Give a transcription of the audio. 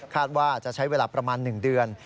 ว่าจะใช้เวลาประมาณ๑เดือน